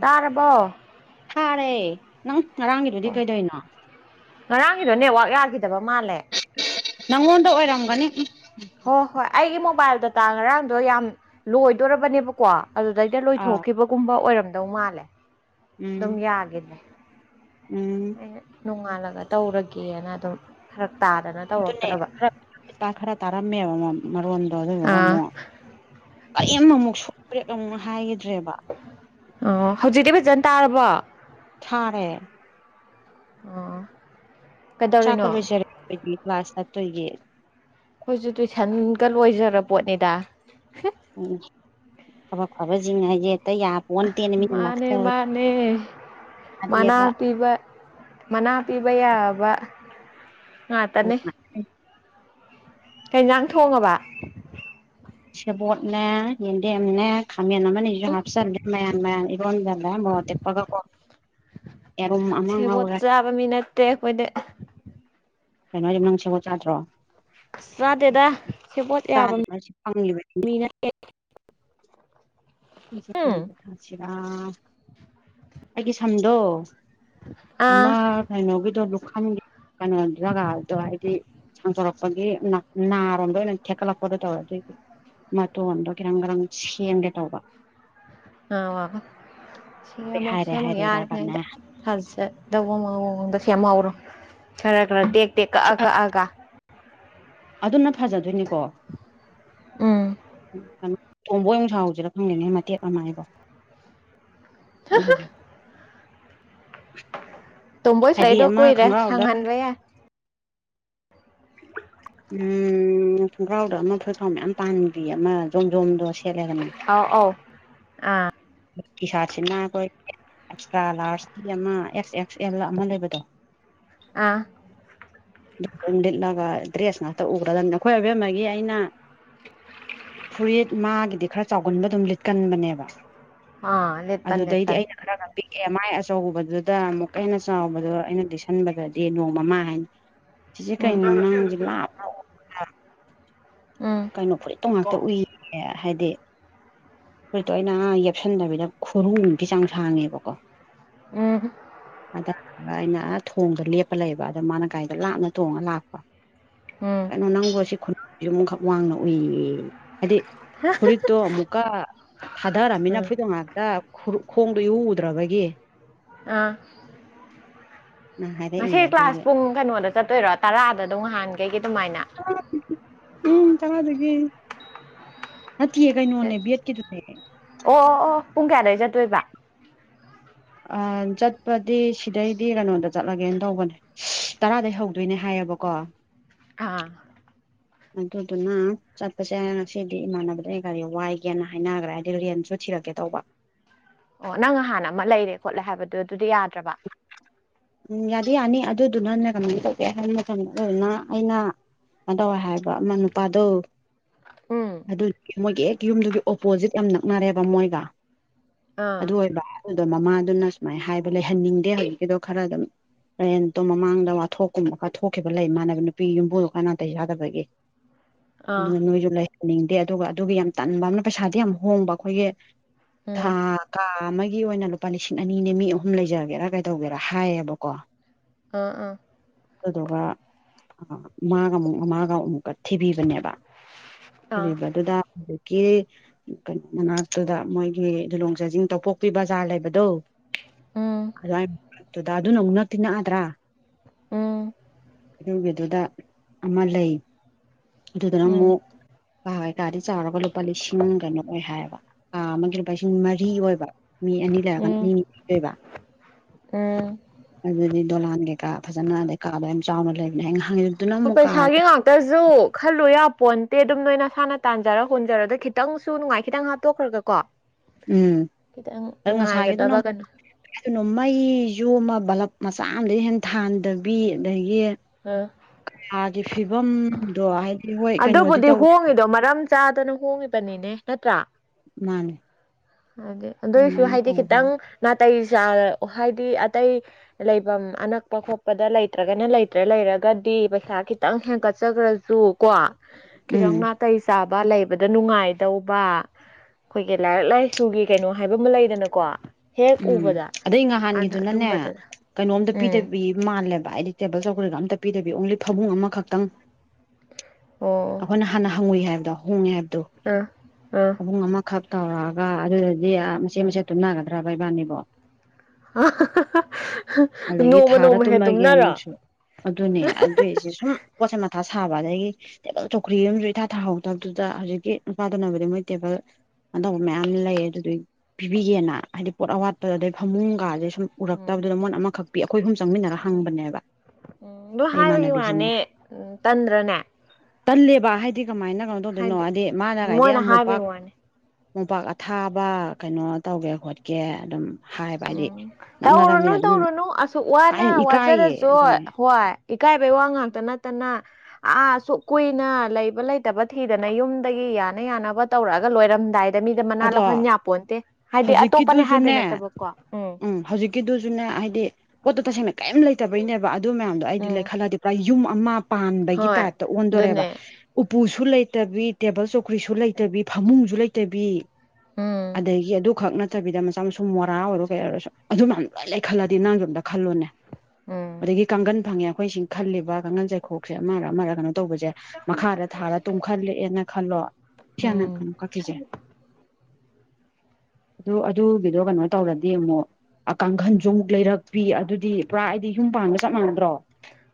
ꯇꯥꯔꯕꯣ ꯊꯥꯔꯦ ꯅꯪ ꯉꯔꯥꯡꯒꯤꯗꯨꯗꯤ ꯑꯣ ꯀꯩꯗꯣꯏꯅꯣ ꯉꯔꯥꯡꯒꯤꯗꯣ ꯅꯦꯠꯋꯥꯛ ꯌꯥꯈꯤꯗꯕ ꯃꯥꯜꯂꯦ ꯅꯪꯉꯣꯟꯗ ꯑꯣꯏꯔꯝꯒꯅꯤ ꯍꯣꯏ ꯍꯣꯏ ꯑꯩꯒꯤ ꯃꯣꯕꯥꯏꯜꯗ ꯇꯥꯡꯉꯔꯥꯡꯗꯣ ꯌꯥꯝ ꯂꯣꯏꯗꯣꯔꯕꯅꯦꯕꯀꯣ ꯑꯗꯨꯗꯩꯗ ꯑꯥ ꯂꯣꯏꯊꯣꯛꯈꯤꯕꯒꯨꯝꯕ ꯑꯣꯏꯔꯝꯗꯧ ꯃꯥꯜꯂꯦ ꯎꯝ ꯑꯗꯨꯝ ꯌꯥꯈꯤꯅꯦ ꯎꯝ ꯑꯩꯅ ꯅꯣꯡꯉꯥꯜꯂꯒ ꯇꯧꯔꯒꯦꯅ ꯑꯗꯨꯝ ꯈꯔꯛ ꯑꯗꯨꯅꯦ ꯈꯔ ꯇꯥꯔꯝꯃꯦꯕ ꯃꯔꯣꯟꯗꯣ ꯑꯗꯨꯗꯨꯒ ꯑꯥ ꯑꯃꯨꯛ ꯀꯔꯤꯝ ꯑꯃꯨꯛ ꯁꯣꯛꯄ꯭ꯔꯦꯨ ꯍꯥꯏꯒꯗ ꯑꯣ ꯍꯧꯖꯤꯛꯇꯤ ꯐꯖꯅ ꯇꯥꯔꯕꯣ ꯊꯥꯔꯦ ꯑ ꯆꯥꯛꯀ ꯂꯣꯏꯖꯔꯦ ꯑꯩꯈꯣꯏꯗꯤ ꯀ꯭ꯂꯥꯁ ꯊꯠꯇꯣꯏꯒꯤ ꯑꯩꯈꯣꯏꯁꯨ ꯇꯨꯏꯁꯟꯒ ꯂꯣꯏꯖꯔ ꯄꯣꯠꯅꯦꯗ ꯎ ꯍꯥꯕ ꯐꯕ ꯆꯤꯡꯅ ꯍꯥꯏ ꯌꯦꯦ ꯃꯥꯅꯦ ꯃꯥꯅꯦ ꯃꯅꯥ ꯌꯥꯗꯦꯕ ꯄꯤꯕ ꯃꯅꯥ ꯄꯤꯕ ꯌꯥꯕ ꯉꯥꯛꯇꯅꯤ ꯀꯩꯩꯅꯥꯡ ꯊꯣꯡꯉꯕ ꯁꯕꯣꯠꯅꯦ ꯌꯦꯟꯗꯦꯝꯅꯦ ꯈꯥꯃꯦꯟ ꯑꯃꯅꯦ ꯏꯖ ꯎꯝ ꯍꯥꯞꯆꯔꯅꯦꯦ ꯃꯌꯥꯥꯟ ꯃꯌꯥꯝ ꯏꯔꯣꯟꯟꯖ ꯂꯝꯕꯣ ꯇꯤꯞꯄꯒ ꯀꯣ ꯌꯥꯔꯨꯝꯝ ꯑꯃ ꯁꯦꯕꯣꯠ ꯉꯥꯎꯔꯦ ꯆꯥꯕ ꯃꯤ ꯅꯠꯇꯦ ꯑꯩꯈꯣꯏꯗꯤ ꯀꯩꯅꯣꯁ ꯅꯪ ꯁꯕ ꯆꯥꯗ꯭ꯔꯣ ꯑꯁ ꯆꯥꯗꯦꯗ ꯁꯦ ꯄꯣꯠ ꯌꯥꯕ ꯆꯥꯗꯕ ꯁꯤ ꯄꯪꯂꯤꯕꯅꯤꯅꯦ ꯃꯤꯅ ꯑꯩꯁꯦ ꯀꯔꯤꯗ ꯊꯥꯁꯤꯔꯥ ꯑꯩꯒꯤ ꯁꯝꯗꯣ ꯑꯥ ꯍꯥꯏ ꯅꯒꯗ ꯂꯗꯨꯈꯒ ꯀꯩꯅꯣ ꯖꯒꯥꯗꯣ ꯍꯥꯏꯗꯤ ꯁꯥꯡꯗꯣꯔꯛꯄꯒꯤ ꯅꯥꯔꯣꯝꯗ ꯑꯣꯏꯅ ꯊꯦꯀꯠꯂꯛꯄꯗꯣ ꯇꯧꯔꯦ ꯑꯗꯨꯑꯣꯏꯗꯤ ꯃ ꯑꯣꯟ ꯀꯤꯔꯪ ꯔꯪꯁꯤ ꯌꯦꯡꯦ ꯇꯧꯕ ꯑ ꯋꯥ ꯁꯦꯝ ꯑꯃꯨꯛ ꯍꯥꯏꯔꯦ ꯁꯦꯝꯃꯨꯛ ꯍꯥꯏꯔꯦꯔꯒꯅꯦ ꯌꯥꯔꯤꯉꯩꯗ ꯐ ꯆꯗꯧꯕ ꯃ ꯃꯑꯣꯡꯗ ꯁꯦꯝꯍꯧꯔꯣ ꯈꯔ ꯈꯔ ꯇꯦꯛ ꯇꯦꯛ ꯀꯛꯑ ꯀꯛꯑ ꯀ ꯑꯗꯨꯅ ꯐꯖꯗꯣꯏꯅꯤꯀꯣ ꯎꯝ ꯀꯣꯝꯕꯣꯏ ꯅꯨꯡꯁꯥꯎꯁꯤꯗ ꯐꯪꯗꯅꯦ ꯃꯇꯦꯛ ꯑꯃ ꯍꯥꯏꯕꯣ ꯑꯣꯏ ꯍꯧ ꯇꯣꯝꯕꯣꯏ ꯍꯥꯏꯗꯤ ꯁꯥꯏꯗꯣ ꯑꯃ ꯀꯨꯏꯔꯦ ꯈꯣꯡꯒ꯭ꯔꯥꯎꯗ ꯁꯪꯍꯟꯕ ꯌꯥꯏ ꯎꯝ ꯈꯣꯡꯒ꯭ꯔꯥꯎꯗ ꯑꯃ ꯐꯣꯏꯈ꯭ꯔꯥꯎ ꯃꯌꯥꯝ ꯄꯥꯍꯟꯕꯤ ꯑꯃ ꯖꯣꯝꯖꯣꯝꯗꯣ ꯁꯤ ꯑ ꯑ ꯑꯥ ꯁꯥꯔꯁꯤꯅ ꯑꯩꯈꯣꯏ ꯑꯦꯛꯁꯇ꯭ꯔꯥ ꯂꯥꯔꯖ ꯐꯤ ꯑꯃ ꯑꯦꯛꯁ ꯑꯦꯛꯁ ꯑꯦꯜ ꯑꯃ ꯂꯩꯕꯗꯣ ꯑꯥ ꯑꯗꯨꯝ ꯂꯤꯠꯂꯒ ꯗ꯭ꯔꯦꯁ ꯉꯥꯛꯇ ꯎꯈ꯭ꯔꯗꯕꯅꯤ ꯑꯩꯈꯣꯏ ꯑꯣꯏꯕꯦꯝ ꯑꯃꯒꯤ ꯑꯩꯅ ꯐꯨꯔꯤꯠ ꯃꯥꯒꯤꯗꯤ ꯈꯔ ꯆꯥꯎꯒꯟꯕ ꯑꯗꯨꯝ ꯂꯤꯠꯀꯟꯕꯅꯦꯕ ꯑꯥ ꯂꯦꯠꯄꯟ ꯑꯗꯨꯗꯩꯗꯤ ꯂꯦꯠꯄꯟ ꯑꯩꯅ ꯈꯔ ꯉꯝꯕꯤ ꯑꯦ ꯃꯥꯏ ꯑꯆꯧꯕꯗꯨꯗ ꯑꯃꯨꯛꯀ ꯍꯦꯟꯅ ꯆꯥꯎꯕꯗꯣ ꯑꯩꯅ ꯇꯁꯟꯕꯗꯗꯤ ꯅꯣꯡꯃꯃꯥ ꯍꯥꯏꯅꯤ ꯁꯤꯁꯦ ꯎꯝ ꯀꯩꯅꯣ ꯅꯪꯁ ꯂꯥꯞ ꯂ ꯎꯝ ꯀꯩꯅꯣ ꯐꯨꯔꯤꯠꯇꯣ ꯉꯥꯛꯇ ꯎꯏꯦ ꯍꯥꯏꯗꯤ ꯍꯧꯠꯇꯣ ꯑꯩꯅꯥ ꯌꯦꯞꯁꯟꯗꯕꯤꯗ ꯈꯨꯔꯨꯗꯤ ꯆꯥꯡ ꯁꯥꯡꯉꯦꯕꯀꯣ ꯎꯝ ꯑꯗ ꯑꯩꯅ ꯊꯣꯡꯗ ꯂꯦꯞꯄ ꯂꯩꯕ ꯑꯗꯣ ꯃꯥꯅ ꯀꯥꯏꯗ ꯂꯥꯞꯅ ꯇꯣꯡꯉ ꯂꯥꯛꯄ ꯎꯝ ꯀꯩꯅꯣ ꯅꯪꯕꯨ ꯁꯤ ꯈꯨꯟꯁꯤ ꯑꯃꯨꯛꯈꯛ ꯋꯥꯡꯅ ꯎꯏꯌꯦ ꯍꯥꯏꯗꯤ ꯐꯨꯔꯤꯠꯇꯣ ꯑꯃꯨꯛꯀ ꯊꯥꯗꯔꯃꯤꯅ ꯎꯝ ꯐꯨꯔꯤꯠꯇꯣ ꯉꯥꯛꯇ ꯈꯣꯡꯗꯣ ꯌꯎ ꯎꯗ꯭ꯔꯕꯒꯤ ꯑꯥ ꯅ ꯍꯥꯏꯔꯛꯏ ꯉꯁꯤ ꯀ꯭ꯂꯥꯁ ꯑꯗꯨꯒꯤ ꯄꯨꯡ ꯀꯩꯅꯣꯗ ꯆꯠꯇꯣꯏꯔꯣ ꯇꯔꯥꯗ ꯑꯗꯨꯝ ꯅꯍꯥꯟꯈꯩꯒꯤ ꯑꯗꯨꯃꯥꯏꯅ ꯎꯝ ꯇꯔꯥꯗꯒꯤ ꯅꯠꯇꯌꯦ ꯀꯩꯅꯣꯅꯦ ꯕꯦꯠꯀꯤꯗꯨꯅꯦ ꯑꯣ ꯑꯣ ꯑꯣ ꯄꯨꯡ ꯀꯌꯥꯗꯋꯥꯏ ꯆꯠꯇꯣꯏꯕ ꯑ ꯆꯠꯄꯗꯤ ꯁꯤꯗꯩꯗꯤ ꯔꯥꯅꯣꯗ ꯆꯠꯂꯒꯦꯅ ꯇꯧꯕꯅꯦ ꯇꯔꯥꯗꯒꯤꯩ ꯍꯧꯗꯣꯏꯅꯦ ꯍꯥꯏꯔꯦ ꯌꯥꯕꯣ ꯀꯣ ꯑꯥ ꯑꯗꯨꯗꯨꯅ ꯆꯠꯄꯁꯦ ꯉꯁꯤꯗꯤ ꯏꯃꯥꯟꯅꯕꯗꯩ ꯀꯔꯤ ꯋꯥꯏꯒꯦꯅ ꯍꯥꯏꯅꯈ꯭ꯔꯦ ꯍꯥꯏꯗꯤ ꯔꯦꯟꯁꯨ ꯊꯤ ꯊꯤꯔꯛꯀꯦ ꯇꯧꯕ ꯑꯣ ꯅꯪ ꯍꯥꯟꯅ ꯑꯃ ꯂꯩꯔꯦ ꯈꯣꯠꯂꯦ ꯍꯥꯏꯕꯗꯨꯣ ꯑꯗꯨꯗꯤ ꯌꯥꯗ꯭ꯔꯕ ꯎꯝ ꯌꯥꯗꯤ ꯌꯥꯅꯤ ꯑꯗꯨꯗꯨꯅꯅ ꯀꯃꯥꯏꯅ ꯇꯧꯒꯦ ꯍꯥꯏꯟꯕ ꯃꯇꯝꯟꯗ ꯑꯗꯨꯅ ꯑꯩꯅ ꯀꯥꯏ ꯇꯧꯋꯦ ꯍꯥꯏꯕ ꯏ ꯅꯨꯄꯥꯗꯨꯣ ꯎꯝ ꯑꯗꯨꯗꯤ ꯃꯣꯏꯒꯤ ꯍꯦꯛ ꯌꯨꯝꯗꯨꯒꯤ ꯑꯣꯄꯣꯖꯤꯠ ꯌꯥꯝ ꯅꯛꯅꯔꯦꯕ ꯃꯣꯏꯒ ꯑꯥ ꯑꯗꯨ ꯑꯣꯏꯕ ꯑꯗꯨꯗꯣ ꯃꯃꯥꯗꯨꯅ ꯁꯨꯃꯥꯏꯅ ꯍꯥꯏꯕ ꯂꯩꯍꯟꯅꯤꯡꯗꯦ ꯍꯧꯖꯤꯛꯀꯤꯗꯣ ꯈꯔ ꯑꯗꯨꯝ ꯍꯦꯟꯇꯣ ꯃꯃꯥꯡꯗ ꯋꯥꯊꯣꯛꯀꯨꯝꯕ ꯈꯔ ꯊꯣꯛꯈꯤꯕ ꯂꯩꯃꯥꯟꯅꯕ ꯅꯨꯄꯤ ꯌꯨꯝꯕꯨꯗꯣ ꯀꯥꯏꯅꯥꯟꯇ ꯌꯥꯗꯕꯒꯤ ꯑꯥ ꯑꯗꯨꯅ ꯅꯣꯏꯁꯨ ꯂꯩꯍꯟꯅꯤꯡꯗꯦ ꯑꯗꯨꯒ ꯑꯗꯨꯒꯤ ꯌꯥꯝ ꯇꯟꯕ ꯑꯃꯅ ꯄꯩꯁꯥꯗꯤ ꯌꯥꯝ ꯍꯣꯡꯕ ꯑꯩꯈꯣꯏꯒꯤ ꯊꯥ ꯎꯝ ꯀꯥ ꯑꯃꯒꯤ ꯑꯣꯏꯅ ꯂꯨꯄꯥ ꯂꯤꯁꯤꯡ ꯑꯅꯤꯅꯦ ꯃꯤ ꯑꯍꯨꯝ ꯂꯩꯖꯒꯦꯔꯥ ꯀꯩ ꯇꯧꯒꯦꯔꯥ ꯈ ꯍꯥꯏꯌꯦꯕꯀꯣ ꯑꯥ ꯑꯥ ꯑꯗꯨꯗꯨꯒ ꯑ ꯃꯥꯒ ꯑꯃꯨꯛ ꯃꯃꯥꯒ ꯑꯃꯨꯛꯀ ꯊꯤꯕꯤꯕꯅꯦꯕ ꯑꯥ ꯊꯤꯕꯤꯕ ꯑꯗꯨꯗ ꯀꯣ ꯃꯅꯥꯛꯇꯨꯗ ꯃꯣꯏꯒꯤ ꯨꯂꯣꯡ ꯆꯥꯖꯤꯡ ꯇꯧꯄꯣꯛꯄꯤ ꯕꯖꯥꯔ ꯂꯩꯕꯗꯣ ꯎꯝ ꯑꯗꯨꯗ ꯑꯗꯨꯅ ꯑꯃꯨꯛ ꯅꯛꯇꯤ ꯅꯛꯑꯗ꯭ꯔꯥ ꯎꯝ ꯑꯗꯨꯒꯤꯗꯨꯗ ꯑꯃ ꯂꯩ ꯑꯗꯨꯗꯨꯅ ꯎꯝ ꯑꯃꯨꯛ ꯀꯥ ꯍꯣꯏ ꯀꯥꯗꯤ ꯆꯥꯎꯔꯒ ꯂꯨꯄꯥ ꯂꯤꯁꯤꯡ ꯀꯩꯅꯣ ꯑꯣꯏ ꯍꯥꯏꯌꯦꯕ ꯀꯥ ꯑꯃꯒꯤ ꯂꯨꯄꯥ ꯂꯤꯁꯤꯡ ꯃꯔꯤ ꯑꯣꯏꯕ ꯃꯤ ꯑꯅꯤ ꯂꯩꯔꯒꯅ ꯎꯝ ꯃꯤꯅꯤꯅꯤ ꯂꯩꯕ [unintelligible] ꯎꯝ ꯑꯗꯨꯗꯤ ꯗꯣꯂꯥꯟ ꯀꯩꯀꯥ ꯐꯖꯅ ꯑꯗꯩ ꯀꯥꯗ ꯌꯥꯝ ꯆꯥꯎꯅ ꯂꯩꯕꯅꯦ ꯑꯩ ꯉꯥꯏꯍꯥꯛ ꯍ ꯄꯩꯁꯥꯒꯤ ꯉꯥꯛꯇꯁꯨ ꯈꯜꯂꯨ ꯌꯥ ꯄꯣꯟ ꯇꯦ ꯑꯗꯨꯝ ꯅꯣꯏ ꯅꯁꯥꯅ ꯇꯥꯟꯖꯔ ꯍꯨꯟꯖꯔꯗ ꯈꯤꯇꯪꯁꯨ ꯅꯨꯡꯉꯥꯏ ꯈꯤꯇꯪ ꯍꯥꯞꯠꯇꯣꯛꯈ꯭ꯔꯒ ꯀꯣ ꯎꯝ ꯑꯣ ꯀꯩꯅꯣ ꯉꯁꯥꯏꯒꯤꯗꯨꯅꯅ ꯃꯩꯁꯨ ꯑꯃ ꯕꯂꯞ ꯃꯆꯥ ꯑꯃꯝꯗꯒꯤ ꯍꯦꯟ ꯊꯥꯗꯕꯤ ꯑꯗꯒꯤ ꯑ ꯀꯥꯒꯤ ꯐꯤꯕꯝꯗꯣ ꯍꯥꯏꯗꯤ ꯍꯣꯏ ꯀꯩꯅꯣꯗꯤ ꯑꯗꯨꯕꯨꯗꯤ ꯇꯧꯋꯦ ꯍꯣꯡꯉꯤꯗꯣ ꯃꯔꯝ ꯆꯥꯗꯅ ꯍꯣꯡꯉꯤꯕꯅꯤꯅꯦ ꯅꯠꯇ꯭ꯔꯥ ꯃꯥꯅꯦ ꯍꯥꯏꯗꯤ ꯑꯗꯨꯏꯁꯨ ꯑꯗꯨꯃꯥꯏꯅ ꯍꯥꯏꯗꯤ ꯈꯤꯇꯪ ꯇꯧꯕꯅꯦ ꯅꯥꯇꯩ ꯍꯥꯏꯗꯤ ꯑꯇꯩ ꯂꯩꯐꯝ ꯑꯅꯛꯄ ꯈꯣꯠꯄꯗ ꯂꯩꯇ꯭ꯔꯒꯅ ꯂꯩ ꯠꯇ ꯂꯩꯔꯒꯗꯤ ꯄꯩꯁꯥ ꯈꯤꯇꯪ ꯍꯦꯟꯀꯠꯆꯈ꯭ꯔꯁꯨ ꯀꯣ ꯈꯤꯇꯪ ꯎꯝ ꯅꯥꯇꯩ ꯆꯥꯕ ꯂꯩꯕ ꯕꯗ ꯅꯨꯡꯉꯥꯏꯗꯧꯕ ꯑꯩꯈꯣꯏꯒꯤ ꯂꯥꯏꯔꯤꯛ ꯂꯥꯏꯁꯨꯒꯤ ꯀꯩꯅꯣ ꯍꯥꯏꯕ ꯑꯃ ꯂꯩꯗꯅꯀꯣ ꯍꯦꯛ ꯎꯝ ꯎꯕꯗ ꯑꯗꯩ ꯑꯗ ꯅꯍꯥꯟꯒꯤꯗꯨꯅꯅꯦ ꯑꯗꯨꯝꯕꯗ ꯀꯩꯅꯣꯝꯇ ꯎꯝ ꯄꯤꯗꯕꯤ ꯃꯥꯜꯂꯦꯕ ꯍꯥꯏꯗꯤ ꯇꯦꯕꯜ ꯆꯧꯀ꯭ꯔꯔꯤꯒ ꯇꯞꯄꯤꯤꯗꯕꯤ ꯑꯣꯡꯂꯤ ꯐꯃꯨꯡ ꯑꯃꯈꯛꯇꯪ ꯑꯣ ꯑꯩꯈꯣꯏꯅ ꯍꯥꯟꯅ ꯍꯪꯉꯨꯏ ꯍꯥꯏꯕ ꯑꯍꯣꯡꯉꯦ ꯍꯥꯏꯕꯗꯨ ꯑꯥ ꯑꯥ ꯑꯍꯣꯡ ꯑꯃꯈꯛ ꯇꯧꯔꯛꯑꯒ ꯑꯗꯨꯗ ꯑꯗꯨꯗꯤ ꯃꯆꯦꯠ ꯎꯝ ꯃꯆꯦꯠ ꯇꯨꯝꯅꯒꯗ꯭ꯔꯥꯕ ꯏꯕꯥꯅꯤꯕꯣ ꯑꯗꯒꯤ ꯅꯣꯡꯃ ꯊꯥꯔ ꯅꯣꯡꯃ ꯍꯦ ꯇꯨꯝꯃꯒꯦ ꯇꯨꯝꯅꯔ ꯑꯃꯨꯛꯁꯨ ꯑꯗꯨꯅꯦ ꯑꯗꯨꯏꯁꯦ ꯁꯨꯝ ꯄꯣꯠꯆꯩ ꯃꯊꯥ ꯁꯥꯕ ꯑꯗꯒꯤ ꯇꯦꯕꯜ ꯆꯧꯈ꯭ꯔꯤ ꯑꯃꯁꯨ ꯏꯊꯥ ꯊꯥꯍꯧꯗꯕꯗꯨꯗ ꯍꯧꯖꯤꯛꯀꯤ ꯅꯨꯄꯥꯗꯨꯅꯕꯨꯗꯤ ꯃꯣꯏ ꯇꯦꯕꯜ ꯑꯧꯕ ꯃꯌꯥꯝ ꯂꯩ ꯑꯗꯨꯗꯩ ꯄꯤꯕꯤꯒꯦꯅ ꯍꯥꯏꯗꯤ ꯄꯣꯠ ꯑꯋꯥꯠꯄꯗ ꯑꯗꯩ ꯐꯃꯨꯡꯒꯥꯁꯦ ꯎꯝ ꯎꯔꯛꯇꯕꯗꯨꯗ ꯃꯣꯟ ꯑꯃꯈꯛ ꯄꯤ ꯑꯩꯈꯣꯏ ꯑꯍꯨꯝ ꯆꯪꯃꯤꯟꯅꯔ ꯎꯝ ꯍꯪꯕꯅꯦꯕ ꯎꯝ ꯑꯗꯨꯣ ꯑꯩ ꯍꯥꯏꯕꯒꯤ ꯏꯃꯥꯟꯅꯕꯤꯁꯤꯅꯦ ꯋꯥꯅꯦ ꯇꯟꯗ꯭ꯔꯅꯦ ꯇꯜꯂꯦꯕ ꯍꯥꯏꯗꯤ ꯀꯃꯥꯏꯅ ꯀꯩꯅꯣ ꯇꯧꯗꯣꯏꯅꯣ ꯍꯥꯏꯗꯤ ꯃꯥꯅ ꯍꯥꯏꯗꯤ ꯃꯣꯏꯅ ꯌꯥꯝ ꯍꯥꯏꯕꯩ ꯃꯨꯄꯥꯛ ꯋꯥꯅꯤ ꯃꯣꯝꯄꯥꯛ ꯑꯊꯥꯕ ꯀꯩꯅꯣ ꯇꯧꯒꯦ ꯈꯣꯠꯀꯦ ꯑꯗꯨꯝ ꯍꯥꯏꯕ ꯍꯥꯏꯗꯤ ꯎꯝ ꯇꯧꯔꯨꯅꯨ ꯅꯛꯅꯔꯝꯃꯤꯅ ꯑꯗꯨꯝ ꯇꯧꯔꯨꯅꯨ ꯑꯁꯨꯛ ꯀꯥꯏ ꯋꯥꯅ ꯏꯀꯥꯏꯌꯦ ꯋꯥꯖꯔꯁꯨ ꯑꯗꯨꯅꯦ ꯍꯣꯏ ꯏꯀꯥꯏꯕꯩ ꯋꯥ ꯉꯥꯛꯇ ꯅꯠꯇꯅ ꯑꯥ ꯑꯁꯨ ꯀꯨꯏꯅ ꯂꯩꯕ ꯂꯩꯇꯕ ꯊꯤꯗꯅ ꯌꯨꯝꯗꯒꯤ ꯌꯥꯅ ꯌꯥꯅꯕ ꯇꯧꯔꯛꯑꯒ ꯂꯣꯏꯔꯝꯗꯥꯏꯗ ꯗ ꯃꯤꯗ ꯃꯅꯥ ꯑꯗꯣ ꯂꯧꯍꯟ ꯌꯥꯄꯣꯟꯟꯇꯦ ꯍꯥꯏꯗꯤ ꯑꯇꯣꯞꯄꯅꯦ ꯍꯥꯏꯕꯩ ꯍꯧꯖꯤꯛꯀꯤꯗꯨꯁꯨꯅꯦ ꯅꯠꯇꯕ ꯎꯝ ꯍꯧꯖꯤꯛꯀꯤꯗꯨꯁꯨꯅꯦ ꯍꯥꯏꯗꯤ ꯄꯣꯠꯇꯣ ꯇꯁꯦꯡꯅ ꯀꯔꯤꯝ ꯂꯩꯇꯕꯩꯅꯦꯕ ꯑꯗꯨ ꯃꯌꯥꯝꯗꯣ ꯑꯩꯗꯤ ꯎꯝ ꯂꯩꯈꯠꯂꯗꯤ ꯄꯨꯔꯥ ꯌꯨꯝ ꯑꯃ ꯄꯥꯟꯕꯒꯤ ꯍꯣꯏ ꯇꯥꯏꯞꯇ ꯑꯣꯟꯗꯣꯔꯦꯕ ꯑꯗꯨꯅꯦ ꯄꯨꯁꯨ ꯂꯩꯇꯕꯤ ꯇꯦꯕꯜ ꯆꯧꯈ꯭ꯔꯤꯁꯨ ꯂꯩꯇꯕꯤ ꯐꯃꯨꯡꯁꯨ ꯂꯩꯇꯕꯤ ꯎꯝ ꯑꯗꯒꯤ ꯑꯗꯨꯈꯛ ꯅ ꯆꯠꯇꯕꯤꯗ ꯃꯆꯥ ꯃꯁꯨꯨꯝ ꯃꯣꯔꯥ ꯑꯣꯏꯔꯣ ꯀꯩ ꯑꯣꯏꯔꯁꯨ ꯑꯗꯨ ꯃꯌꯥꯝ ꯂꯣꯏꯅ ꯂꯩ ꯈꯠꯂꯗꯤ ꯅꯪꯥꯡꯗꯣꯝꯗ ꯈꯜꯂꯣꯅꯦ ꯎꯝ ꯑꯣꯗꯒꯤ ꯀꯪꯒꯟ ꯐꯪꯉꯌꯥ ꯑꯩꯈꯣꯏꯁꯤꯡ ꯈꯜꯂꯤꯕ ꯀꯥꯡꯈꯜ ꯆꯥꯏꯈꯣꯛꯁꯦ ꯑꯃꯔ ꯑꯃꯔ ꯀꯩꯅꯣ ꯇꯧꯕꯁꯦ ꯃꯈꯥꯗ ꯊꯥꯔ ꯇꯨꯝꯈꯠꯂꯛꯑꯦꯅ ꯈꯜꯂꯣ ꯀꯌꯥꯅ ꯎꯝ ꯀꯅꯣ ꯀꯀ ꯆꯥꯏ [unintelligible] ꯑꯗꯨ ꯑꯗꯨꯒꯤꯗꯣ ꯀꯩꯅꯣ ꯇꯧꯔꯗꯤ ꯑꯃꯨꯛ ꯀꯥꯡꯈꯟꯁꯨ ꯑꯃꯨꯛ ꯂꯩꯔꯛꯄꯤ ꯑꯗꯨꯗꯤ ꯄꯨꯔꯥ ꯑꯩꯗꯤ ꯌꯨꯝ ꯄꯥꯟꯕꯥꯟꯒ ꯆꯞ ꯃꯥꯟꯅꯗ꯭ꯔꯣ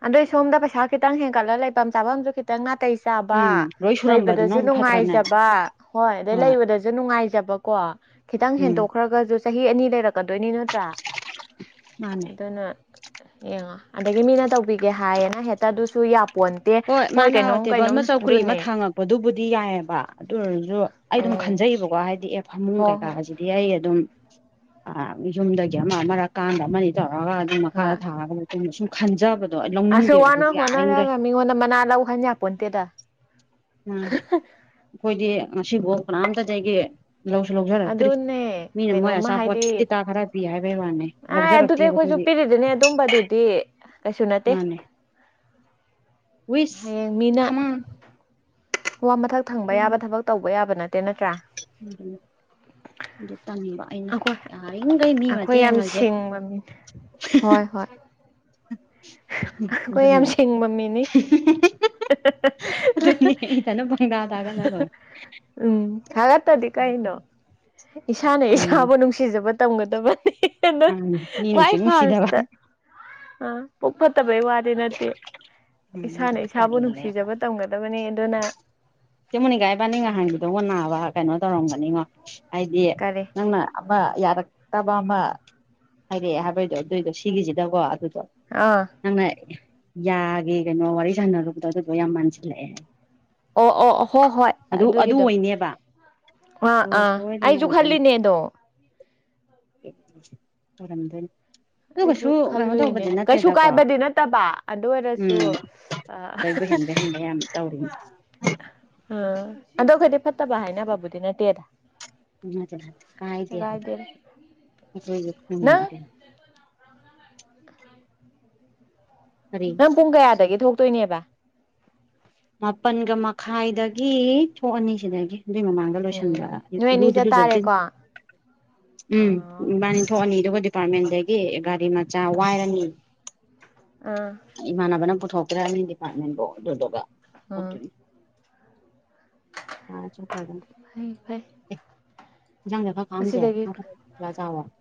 ꯑꯗꯩ ꯁꯣꯝꯗ ꯄꯩꯁꯥ ꯈꯤꯇꯪ ꯍꯦꯟꯒꯠꯂꯒ ꯂꯩꯐꯝ ꯆꯥꯐꯝꯁꯨ ꯈꯤꯇꯪ ꯉꯇꯩꯩ ꯎꯝ ꯆꯥꯕ ꯂꯣꯏ ꯁꯨꯔꯝꯕꯗꯨꯅ ꯂꯩꯕꯗꯁꯨ ꯑꯃꯨꯛ ꯐꯠꯇ꯭ꯔꯅꯦ ꯅꯨꯡꯉꯥꯏꯖꯕ ꯍꯣꯏ ꯑꯗꯩ ꯂꯩꯕꯗꯁꯨ ꯅꯨꯡꯉꯥꯏꯖꯕ ꯀꯣ ꯈꯤꯇꯪ ꯎꯝ ꯍꯦꯟꯗꯣꯛꯈ꯭ꯔꯒꯁꯨ ꯆꯍꯤ ꯑꯅꯤ ꯂꯩꯔꯛꯀꯗꯣꯏꯅꯤ ꯅꯠꯇ꯭ꯔꯥ ꯃꯥꯅꯦ ꯑꯗꯨꯅ ꯌꯦꯡꯉꯣ ꯑꯗꯒꯤ ꯃꯤꯅ ꯇꯧꯕꯤꯒꯦ ꯍꯥꯏꯌꯦꯅ ꯍꯦꯛꯇ ꯑꯗꯨꯁꯨ ꯌꯥꯄꯣꯟꯇꯦ ꯍꯣꯏ ꯃꯥꯅ ꯀꯩꯅꯣꯝ ꯇꯦꯕꯜ ꯑꯃ ꯀꯩꯅꯣꯝ ꯆꯧꯀ꯭ꯔꯤ ꯑꯃ ꯑꯗꯨꯅꯦ ꯊꯥꯡꯉꯛꯄꯗꯨꯕꯨꯗꯤ ꯌꯥꯏꯑꯕ ꯑꯗꯨ ꯑꯣꯏꯔꯁꯨ ꯑꯩ ꯑꯗꯨꯝ ꯎꯝ ꯈꯟꯖꯩꯌꯦꯕꯀꯣ ꯍꯥꯏꯗꯤ ꯑꯦꯐ ꯐꯃꯨꯡ ꯍꯣꯏ ꯀꯩꯀꯥ ꯍꯣꯏ ꯍꯥꯏꯁꯤꯗꯤ ꯑꯩ ꯑꯗꯨꯝ ꯑ ꯌꯨꯝꯗꯒꯤ ꯑꯃ ꯑꯃꯔꯛꯀꯥꯟꯗ ꯑꯃꯅꯤ ꯇꯧꯔꯒ ꯑꯗꯨꯝ ꯃꯈꯥꯗ ꯊꯥꯔꯒꯗ ꯁꯨꯝ ꯈꯟꯖꯕ ꯑꯁ ꯋꯥꯅ ꯍꯣꯠꯅꯔꯒ ꯃꯤꯉꯣꯟꯗ ꯃꯅꯥ ꯂꯧꯟꯖꯄ ꯅꯠꯇꯦꯗ ꯎ ꯑꯩꯈꯣꯏꯗꯤ ꯉꯁꯤꯐꯥꯎ ꯀꯅꯥꯝꯇ ꯂꯩꯒꯦ ꯂꯧꯁꯨ ꯂꯧꯖꯔꯛꯇ꯭ꯔꯤ ꯑꯗꯨꯅꯦ ꯃꯤꯅ ꯃꯣꯏ ꯀꯩꯅꯣꯝꯃ ꯑꯆꯥꯄꯣꯠ ꯍꯥꯏꯗꯤ ꯇꯤꯇꯥ ꯈꯔ ꯄꯤ ꯍꯥꯏꯕꯩ ꯋꯥꯅꯤ ꯂꯧꯖꯔꯛꯇꯦꯕ ꯑꯩꯈꯣꯏ ꯆꯄꯤꯔꯤꯗꯨꯅꯦ ꯑꯗꯨꯝꯕꯗꯨꯗꯤ ꯀꯩꯁꯨ ꯅꯠꯇꯦ ꯃꯥꯅꯦ ꯋꯤꯁ ꯍꯌꯦꯡ ꯃꯤꯅ ꯈꯃꯥꯡ ꯋꯥ ꯃꯊꯛ ꯊꯪꯕ ꯌꯥꯕ ꯊꯕꯛ ꯇꯧꯕ ꯌꯥꯕ ꯅꯠꯇꯦ ꯅꯠꯇ꯭ꯔꯥ ꯑꯗꯨ ꯇꯥꯅꯤꯡꯕ ꯑꯩꯅ ꯑꯩꯈꯣꯏ ꯌꯥꯔꯤꯈꯩ ꯃꯤ ꯑꯩꯈꯣꯏ ꯌꯥꯝ ꯃꯇꯦꯡꯒꯁꯦ ꯁꯤꯡꯕ ꯃꯤꯅꯦ ꯍꯣꯏ ꯍꯣꯏ ꯑꯩꯈꯣꯏ ꯑꯗꯨꯅꯦ ꯌꯥꯝ ꯁꯤꯡꯕ ꯃꯤꯅꯤ ꯑꯗꯨꯅꯦ ꯏꯊꯟꯗ ꯄꯪꯇꯥ ꯇꯥꯒꯠꯂ ꯂꯣꯏꯔꯦ [unintelligible] ꯎꯝ ꯊꯒ ꯇꯗꯤ ꯀꯥꯏꯅꯣ ꯏꯁꯥꯅ ꯏꯁꯥꯕꯨ ꯅꯨꯡꯁꯤꯖꯕ ꯇꯝꯒꯗꯕꯅꯤ ꯃꯤ ꯭ꯋꯥꯏ ꯅꯨꯡꯁꯤ ꯅꯨꯡꯁꯤꯗꯕ ꯐꯥꯁ ꯑ ꯐ ꯐꯠꯇꯕꯩ ꯋꯥꯗꯤ ꯅꯠꯇꯦ ꯎꯝ ꯏꯁꯥꯅ ꯏꯁꯥꯕꯨ ꯇꯜꯂꯦꯕ ꯅꯨꯡꯁꯤꯖꯕ ꯇꯝꯒꯗꯕꯅꯤ ꯑꯗꯨꯅ ꯆꯦꯃꯨꯅꯤꯀꯥꯏ ꯏꯕꯥꯅꯤ ꯉꯍꯥꯟꯒꯤꯗꯧꯒ ꯅꯥꯕ ꯀꯩꯅꯣ ꯇꯧꯔꯝꯒꯅꯤꯉꯣ ꯍꯥꯏꯗꯤ ꯀꯔꯤ ꯅꯪꯅ ꯑꯃ ꯌꯥꯔꯛꯇꯕ ꯑꯃ ꯍꯥꯏꯔꯛꯑꯦ ꯍꯥꯏꯕꯩꯗꯣ ꯑꯗꯨꯏꯗꯣ ꯁꯤꯒꯤꯁꯤꯗꯀꯣ ꯑꯗꯨ ꯑꯥ ꯑꯥꯏ ꯌꯥꯒꯦ ꯀꯩꯅꯣ ꯋꯥꯔꯤ ꯁꯥꯟꯅꯔꯨꯕꯗꯣ ꯑꯗꯨꯗꯣ ꯌꯥꯝ ꯃꯥꯟꯁꯤꯜꯂꯛꯑꯦ ꯑꯣ ꯑꯣ ꯍꯣ ꯍꯣꯏ ꯑꯗꯨ ꯑꯗꯨ ꯑꯗꯨꯒꯤꯗꯣ ꯑꯣꯏꯅꯦꯕ ꯑꯥ ꯑꯗꯨ ꯑꯥ ꯑꯩꯁꯨ ꯈꯜꯂꯤꯅꯦꯗꯣ ꯃꯔꯔꯝꯗ ꯑꯩꯁꯨ ꯈꯜꯂꯨꯏꯅꯦ ꯀꯩꯁꯨ ꯀꯥꯏꯕꯗꯤ ꯅꯠꯇꯕ ꯑꯗꯨ ꯑꯣꯏꯔꯁꯨ ꯎꯝ ꯑ [inaudible] ꯑꯗꯩꯕꯨ ꯍꯦꯟꯕ ꯍꯦꯟꯕ ꯌꯥꯝ ꯇꯧꯔꯤꯅꯤ ꯑ ꯑꯗꯣ ꯑꯩꯈꯗꯤ ꯐꯠꯇꯕ ꯍꯥꯏꯅꯕꯕꯨꯗꯤ ꯅꯠꯇꯦꯗ ꯉ ꯅ ꯀꯥꯏꯗꯤ ꯍꯥꯏꯅ ꯀꯥꯏꯗꯦꯗ ꯅꯪ ꯀꯔꯤ ꯅꯪ ꯄꯨꯡ ꯀꯌꯥꯗꯒꯤ ꯊꯣꯛꯇꯣꯏꯅꯦꯕ ꯃꯥꯄꯜꯒ ꯃꯈꯥꯏꯗꯒꯤ ꯊꯣꯛ ꯑꯅꯤꯁꯤꯗꯒꯤ ꯑꯗꯨꯏ ꯃꯃꯥꯡꯒ ꯂꯣꯏꯁꯤꯟꯕ ꯎꯝ ꯅꯣꯏ ꯑꯅꯤ ꯏꯂꯨꯗꯤ ꯂꯨꯖꯠꯁꯤꯟ ꯆꯠꯇꯥꯔꯦꯀꯣ ꯑ ꯑꯥ ꯎꯝꯕꯥꯅꯤ ꯊꯅꯤꯗ ꯗꯤꯄꯥꯔꯠꯃꯦꯟꯗꯒꯤ ꯒꯥꯔꯤ ꯃꯆꯥ ꯋꯥꯏꯔꯅꯤ ꯑꯥ ꯏꯃꯥꯟꯅꯕꯅ ꯄꯨꯊꯣꯛꯀ꯭ꯔ ꯍꯥꯏꯕꯅꯤ ꯗꯤꯄꯥꯔꯠꯃꯦꯟꯕꯨꯣ ꯑꯗꯨꯗꯨꯒ ꯇꯧꯗꯣꯏꯅꯦ ꯑ ꯆꯄ꯭ꯔꯗ ꯐꯩ ꯑꯦ ꯌꯥꯪꯒꯦ ꯉꯗꯒꯤ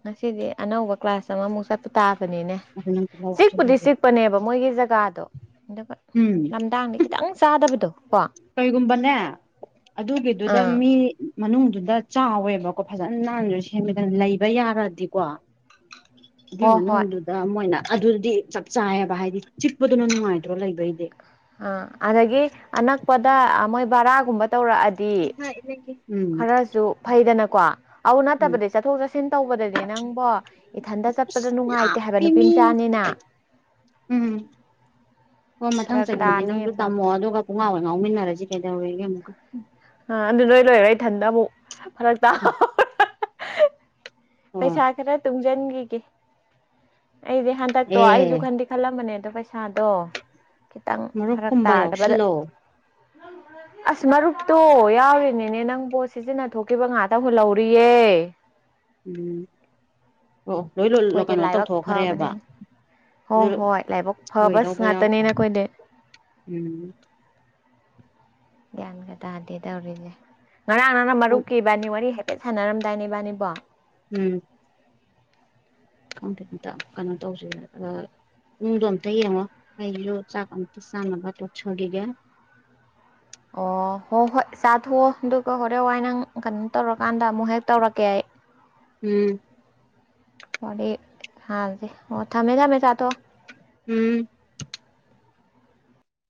ꯉꯁꯤꯗꯤ ꯑꯅꯧꯕ ꯀ꯭ꯂꯥꯁ ꯑꯃꯃꯨꯛ ꯆꯠꯄ ꯇꯥꯕꯅꯤꯅꯦ ꯑꯗꯨ ꯅꯪ ꯇꯤꯜꯍꯧ ꯆꯤꯛꯄꯨꯗꯤ ꯍꯥꯞꯆꯤꯜꯂꯨꯁꯤꯅꯦ ꯆꯤꯛꯄꯅꯦꯕ ꯃꯣꯏꯒꯤ ꯖꯒꯥꯗꯣ ꯑꯗꯨꯒ ꯎꯝ ꯂꯝꯗꯥꯡꯗ ꯈꯤꯇꯪ ꯆꯥꯗꯕꯗꯣ ꯀꯣ ꯀꯩꯒꯨꯝꯕꯅꯦ ꯑꯗꯨꯒꯤꯗꯨꯗ ꯑꯥ ꯃꯤ ꯃꯅꯨꯡꯗꯨꯗ ꯆꯥꯎꯋꯦꯕꯀꯣ ꯐꯖꯅ ꯅꯥꯟ ꯁꯦꯝꯃꯦꯗꯅ ꯂꯩꯕ ꯌꯥꯔꯗꯤꯀꯣ ꯑꯗꯨꯏ ꯍꯣ ꯍꯣꯏ ꯃꯅꯨꯡꯗꯨꯗ ꯃꯣꯏꯅ ꯑꯗꯨꯗꯤ ꯆꯞ ꯆꯥꯏꯌꯦꯕ ꯍꯥꯏꯗꯤ ꯆꯤꯛꯄꯗꯨꯅ ꯅꯨꯡꯉꯥꯏꯗ꯭ꯔꯣ ꯂꯩꯕꯩꯗꯤ ꯑ ꯑꯗꯨꯗꯒꯤ ꯑꯅꯛꯄꯗ ꯃꯣꯏꯕꯔꯥꯒꯨꯝꯕ ꯇꯧꯔꯛꯑꯗꯤ ꯎꯝ ꯈꯔꯁꯨ ꯐꯩꯗꯅꯀꯣ ꯑꯗꯨ ꯎꯝ ꯅꯠꯇꯕꯗꯤ ꯆꯠꯊꯣꯛ ꯆꯠꯁꯤꯟ ꯇꯧꯕꯗꯗꯤ ꯅꯪꯕꯣ ꯏꯊꯟꯇ ꯆꯠꯄꯗ ꯅꯨꯡꯉꯥꯏꯇꯦ ꯍꯥꯏꯕ ꯂꯥꯞꯄꯤ ꯅꯨꯄꯤ ꯃꯤ ꯃꯆꯥꯅꯤꯅ ꯎꯝ ꯎꯝ ꯍꯣꯏ ꯃꯊꯪ ꯐꯔꯛ ꯆꯍꯤꯒꯤꯗꯨꯗꯤ ꯅꯪꯁꯨ ꯇꯥꯅꯦꯕ ꯇꯝꯃꯣ ꯑꯗꯨꯒ ꯄꯨꯡꯉꯥ ꯍ ꯉꯥꯎꯃꯤꯟꯅꯔꯁꯤ ꯀꯩꯗꯧꯔꯒꯦ ꯑꯃꯨꯛꯀ ꯑ ꯑꯗꯨ ꯅꯣꯏ ꯂꯣꯏꯔꯦ ꯏꯊꯟꯗꯕꯨꯧ ꯐꯔꯛ ꯆꯥ ꯎꯝ ꯍꯣꯏ ꯄꯩꯁꯥ ꯈꯔ ꯇꯨꯡꯁꯤꯟꯈꯤꯒꯦ ꯑꯩꯗꯤ ꯍꯟꯗꯛꯇꯣ ꯑꯩꯁꯨ ꯑꯦ ꯈꯟꯗꯤ ꯈꯜꯂꯝꯕꯅꯦꯗ ꯑꯗꯣ ꯄꯩꯁꯥꯗꯣ ꯈꯤꯇꯪ ꯐꯔꯛ ꯃꯔꯨꯞꯀꯨꯝꯕ ꯇꯥꯗꯕꯗ ꯌꯥꯎꯁꯤꯜꯂꯣ ꯑꯁ ꯃꯔꯨꯞꯇꯣ ꯌꯥꯎꯔꯤꯅꯤꯅꯦ ꯅꯪ ꯄꯣꯠ ꯁꯤꯖꯤꯟꯅ ꯊꯣꯛꯈꯤꯕ ꯉꯥꯛꯇꯪꯈꯨꯣꯏꯍꯧꯔꯤꯌꯦ ꯎꯝ ꯑꯣ ꯂꯣꯏ ꯑꯩꯈꯣꯏꯗꯤ ꯀꯩꯅꯣ ꯂꯥꯏꯕꯛ ꯇꯧꯊꯣꯛꯈ꯭ꯔꯦꯕ ꯐꯕꯅꯤꯅ ꯑꯗꯨ ꯍꯣꯏ ꯍꯣꯏ ꯂꯥꯏꯕꯛ ꯐꯕꯁ ꯂꯣꯏꯗꯕ ꯌꯥꯕ ꯉꯥꯛꯇꯅꯦ ꯅꯈꯣꯏꯗꯤ ꯎꯝ ꯒ꯭ꯌꯥꯟꯒ ꯇꯥꯗꯦ ꯇꯧꯔꯤꯁꯦ ꯉꯔꯥꯡ ꯅꯔꯥꯡ ꯄꯨꯡ ꯃꯔꯨꯞ ꯀꯤꯕꯅꯤ ꯋꯥꯔꯤ ꯍꯥꯏꯐꯦꯠ ꯁꯥꯟꯅꯔꯝꯗꯥꯏꯅꯦ ꯕꯥꯅꯤꯕꯣ ꯎꯝ ꯀ ꯀꯩꯅꯣ ꯇꯧꯁꯦ ꯎꯗꯣꯇ ꯌꯦꯡꯉꯣ ꯑꯩ ꯌꯣ ꯆꯀ ꯁꯅꯅꯕ ꯆꯒ ꯑꯣ ꯍꯣ ꯍꯣꯏ ꯆꯠ ꯍꯗꯀ ꯍꯣꯔꯦ ꯋꯥꯥꯏ ꯅꯪ ꯀꯩꯅꯣ ꯇꯧꯔꯀꯥꯟꯗ ꯑꯃꯨꯛ ꯍꯦꯛ ꯇꯧꯔꯛꯀꯦ ꯑꯩ ꯎꯝ ꯃ ꯍ ꯑꯣ ꯊꯃꯦ ꯊꯃꯦ ꯆꯥꯇꯣ ꯎꯝ